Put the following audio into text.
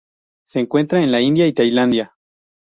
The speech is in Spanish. Se encuentra en la India y Tailandia.